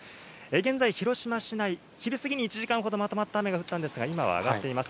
現在、広島市内、昼過ぎに１時間ほどまとまった雨が降ったんですが、今は上がっています。